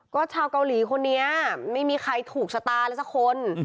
ก็ชาวเกาหลีคนนี้ไม่มีใครถูกชะตาเลยสักคน